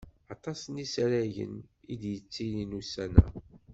Aṭas n yisaragen i d-yettilin ussan-a.